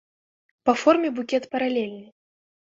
Па форме букет паралельны.